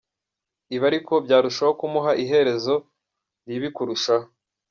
Ibi ariko byarushaho kumuha iherezo ribi kurushaho.